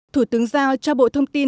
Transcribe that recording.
thủ tướng giao cho bộ thông tin